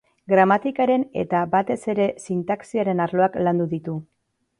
Gramatikaren eta batez ere sintaxiaren arloak landu ditu.